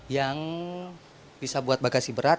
yang bisa buat bagasi berat